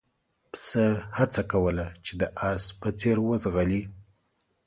پسه هڅه کوله چې د اس په څېر وځغلي.